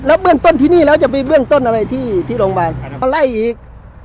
เบื้องต้นที่นี่แล้วจะไปเบื้องต้นอะไรที่โรงพยาบาลเขาไล่อีก